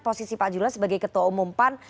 posisi pak jula sebagai ketua umum pan